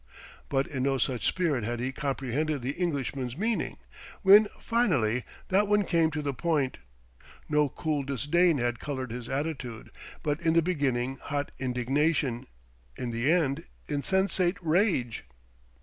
But in no such spirit had he comprehended the Englishman's meaning, when finally that one came to the point; no cool disdain had coloured his attitude, but in the beginning hot indignation, in the end insensate rage....